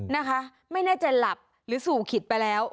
นะคะไม่แน่ใจหลับหรือสู่ขิดไปแล้ว